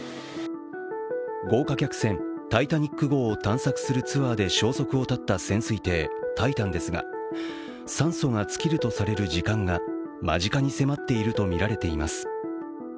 豪華客船「タイタニック」号を探索するツアーで消息を絶った潜水艇「タイタン」ですが酸素が尽きるとされる時間が間近に迫っているとみられています。